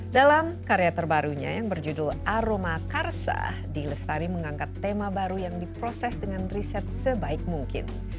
dalam karya terbarunya yang berjudul aroma karsa d lestari mengangkat tema baru yang diproses dengan riset sebaik mungkin